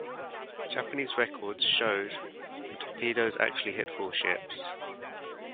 Japanese records showed the torpedoes actually hit four ships.